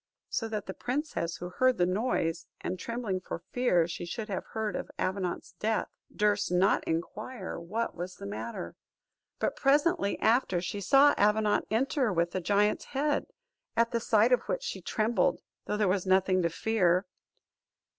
so that the princess, who heard the noise, and trembling for fear she should have heard of Avenant's death, durst not inquire what was the matter. But presently after, she saw Avenant enter with the giant's head; at the sight of which she trembled, though there was nothing to fear.